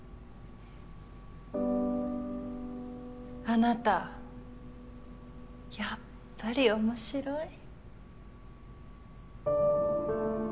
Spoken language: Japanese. あなたやっぱり面白い。